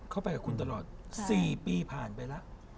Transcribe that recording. เข้าไปกับคุณตลอด๔ปีผ่านไปแล้ว